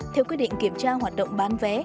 theo quyết định kiểm tra hoạt động bán vé